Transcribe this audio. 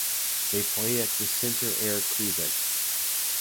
They play at Centre Air Creebec.